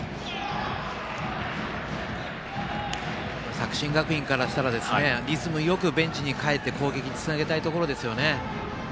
作新学院からしたらリズムよくベンチに帰って攻撃につなげたいところですね。